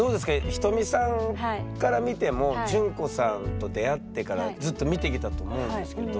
ひとみさんから見ても淳子さんと出会ってからずっと見てきたと思うんですけど。